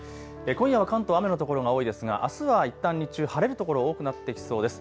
今夜は関東、雨の所が多いですがあすはいったん日中、晴れる所多くなってきそうです。